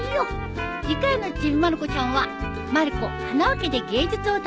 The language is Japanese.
次回の『ちびまる子ちゃん』は。